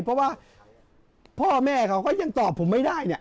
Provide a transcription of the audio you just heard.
เพราะว่าพ่อแม่เขาก็ยังตอบผมไม่ได้เนี่ย